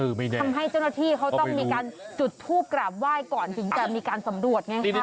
ทำให้เจ้าหน้าที่เขาต้องมีการจุดทูปกราบไหว้ก่อนถึงจะมีการสำรวจไง